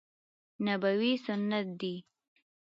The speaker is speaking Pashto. نبوي سنت دي.